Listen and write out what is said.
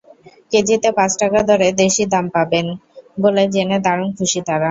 কেজিতে পাঁচ টাকা করে বেশি দাম পাবেন বলে জেনে দারুণ খুশি তাঁরা।